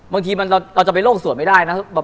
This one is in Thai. บางทีเราจะไปโลกสวดไม่ได้นะ